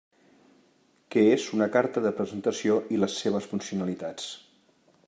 Què és una carta de presentació i les seves funcionalitats.